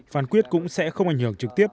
phán quyết cũng sẽ không ảnh hưởng trực tiếp